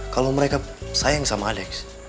kalau mereka sayang sama adex